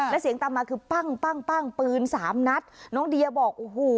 และเสียงตามมาคือปั้งปั้งปั้งปืนสามนัดน้องเดียบอกโอ้โห